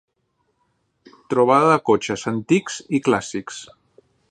Trobada de cotxes antics i clàssics.